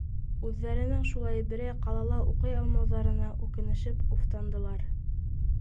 Үҙҙәренең шулай берәй ҡалала уҡый алмауҙарына үкенешеп уфтандылар.